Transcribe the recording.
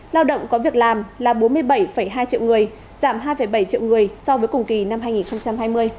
lao động có việc làm là bốn mươi bảy hai triệu người giảm hai bảy triệu người so với cùng kỳ năm hai nghìn hai mươi